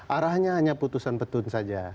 arahnya hanya putusan petun saja